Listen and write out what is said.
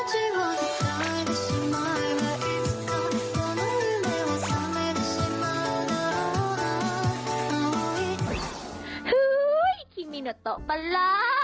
ฮุ้ยยขี้มีโนโตป่า